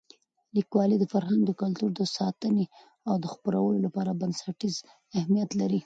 لیکوالی د فرهنګ او کلتور د ساتنې او خپرولو لپاره بنسټیز اهمیت لري.